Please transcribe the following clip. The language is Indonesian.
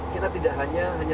kita tidak hanya